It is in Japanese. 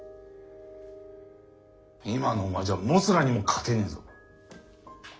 今のお前じゃモスラにも勝てねえぞ。